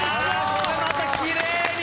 これまたきれいに！